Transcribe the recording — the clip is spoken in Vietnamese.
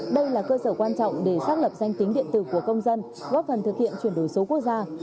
đây là cơ sở quan trọng để xác lập danh tính điện tử của công dân góp phần thực hiện chuyển đổi số quốc gia